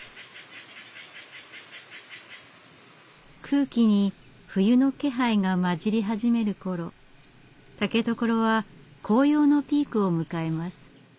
空気に冬の気配が交じり始める頃竹所は紅葉のピークを迎えます。